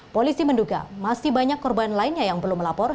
polisi menduga masih banyak korban lainnya yang belum melapor